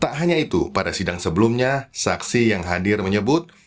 tak hanya itu pada sidang sebelumnya saksi yang hadir menyebut